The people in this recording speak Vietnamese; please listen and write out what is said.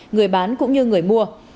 người bán cũng như người mua